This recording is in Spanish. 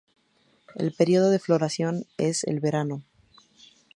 El período de floración es el verano.